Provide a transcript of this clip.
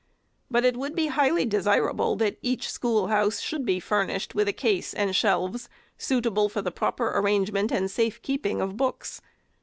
But it would be highly desirable that each school house should be furnished with a case and shelves, suit able for the proper arrangement and safe keeping of books.